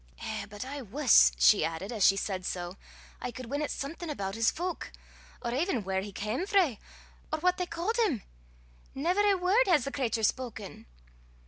"Eh, but I wuss," she added, as she said so, "I cud win at something aboot his fowk, or aiven whaur he cam frae, or what they ca'd him! Never ae word has the cratur spoken!"